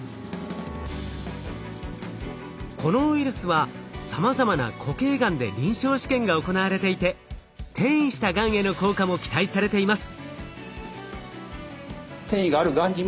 このウイルスはさまざまな固形がんで臨床試験が行われていて転移したがんへの効果も期待されています。